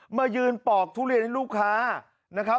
มายืนปอกทุเรียนให้ลูกค้า